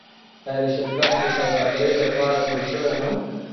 آیا دا شرکت د سوداګرۍ لپاره جوړ شوی نه و؟